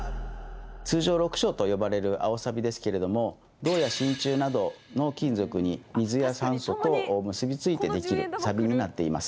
通称緑青と呼ばれる青サビですけれども銅や真鍮などの金属に水や酸素と結び付いてできるサビになっています。